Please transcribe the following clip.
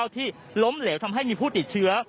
ที่ล้มเหลวทำให้มีผู้ติดเชื้อ